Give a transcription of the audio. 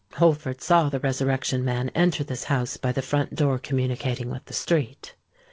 Holford saw the Resurrection Man enter this house by the front door communicating with the street.